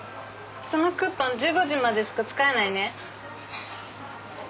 そのクーポン１５時までしか使えないね。